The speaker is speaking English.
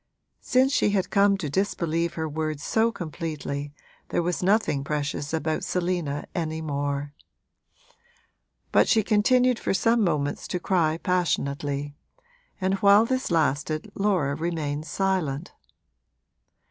Since she had come to disbelieve her word so completely there was nothing precious about Selina any more. But she continued for some moments to cry passionately, and while this lasted Laura remained silent.